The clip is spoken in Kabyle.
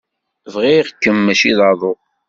Bɣiɣ-kem mačči d aḍu.